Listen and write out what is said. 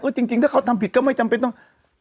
จริงถ้าเขาทำผิดก็ไม่จำเป็นต้อง